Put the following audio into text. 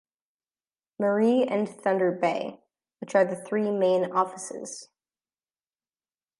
Marie and Thunder Bay, which are the three main offices.